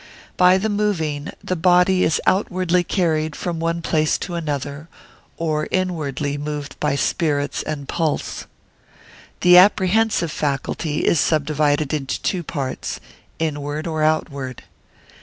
By the moving, the body is outwardly carried from one place to another; or inwardly moved by spirits and pulse. The apprehensive faculty is subdivided into two parts, inward or outward.